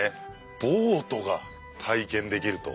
ボートが体験できると。